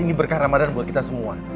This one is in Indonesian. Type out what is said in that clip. ini berkah ramadan buat kita semua